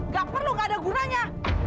gak perlu gak ada gunanya